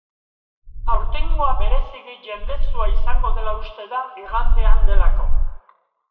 Aurtengoa bereziki jendetsua izango dela uste da, igandean delako.